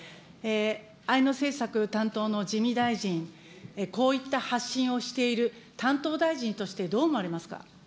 アイヌ政策担当の自見大臣、こういった発信をしている担当大臣としてどう思われますか。